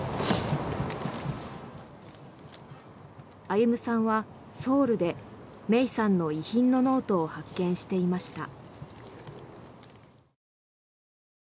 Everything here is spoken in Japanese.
歩さんはソウルで芽生さんの遺品のノートを発見していました。